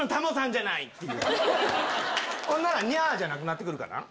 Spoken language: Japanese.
ほんなら「ニャ」じゃなくなって来るかな。